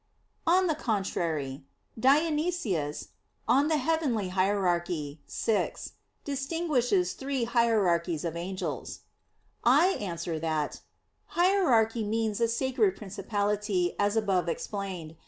On the contrary, Dionysius (Coel. Hier. vi) distinguishes three hierarchies of angels. I answer that, Hierarchy means a "sacred" principality, as above explained.